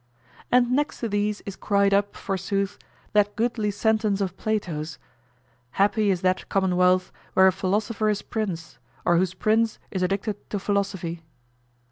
And next to these is cried up, forsooth, that goodly sentence of Plato's, "Happy is that commonwealth where a philosopher is prince, or whose prince is addicted to philosophy."